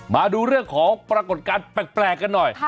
มาดูเรื่องของปรากฏการณ์แปลกกันหน่อย